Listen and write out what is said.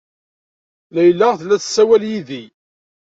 Layla tella tessawal yid-i.